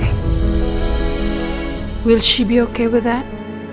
apakah dia akan baik baik saja dengan itu